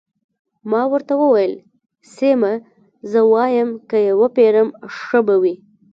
ما ورته وویل: سیمه، زه وایم که يې وپېرم، ښه به وي.